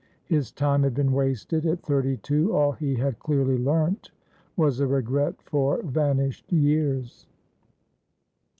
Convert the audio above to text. His time had been wasted. At thirty two all he had clearly learnt was a regret for vanished years.